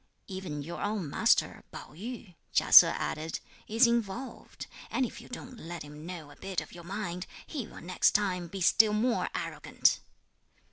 "Even your own master, Pao yü," (Chia Se added), "is involved, and if you don't let him know a bit of your mind, he will next time be still more arrogant."